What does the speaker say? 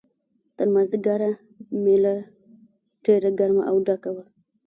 تر مازیګره مېله ډېره ګرمه او ډکه وه.